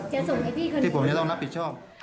ที่ผมจะต้องรับผิดชอบ